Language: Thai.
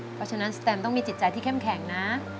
เพราะฉะนั้นสแตมต้องมีจิตใจที่เข้มแข็งนะ